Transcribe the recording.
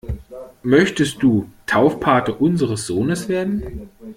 Möchtest du Taufpate unseres Sohnes werden?